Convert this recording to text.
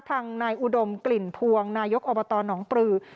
ทางนายอุดมกลิ่นพวงนายกอบตหนองปลือ